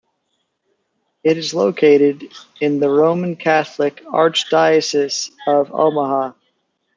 It is located in the Roman Catholic Archdiocese of Omaha.